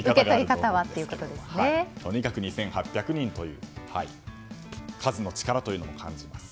とにかく２８００人という数の力も感じます。